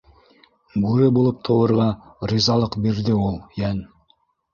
Бүре булып тыуырға ризалыҡ бирҙе ул йән...